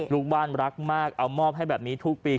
ลูกบ้านรักมากเอามอบให้แบบนี้ทุกปี